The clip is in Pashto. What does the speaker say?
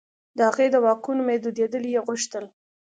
د هغې د واکونو محدودېدل یې غوښتل.